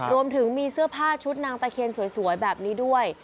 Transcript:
รวมถึงมีเสื้อผ้าชุดนางตะเคียนสวยแบบนี้ด้วย